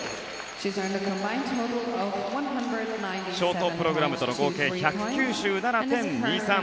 ショートプログラムとの合計１９７．２３。